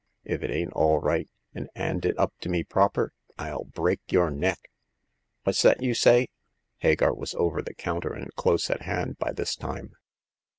If it ain't all right an' 'anded up to me proper, FU break your neck !"What's that you say ?Hagar was over the counter, and close at hand by this time.